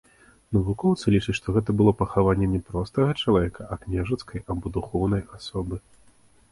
Навукоўцы лічаць, што гэта было пахаванне не простага чалавека, а княжацкай або духоўнай асобы.